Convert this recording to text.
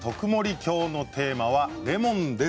きょうのテーマはレモンです。